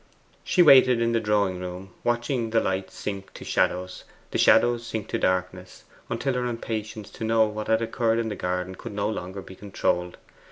She waited in the drawing room, watching the lights sink to shadows, the shadows sink to darkness, until her impatience to know what had occurred in the garden could no longer be controlled.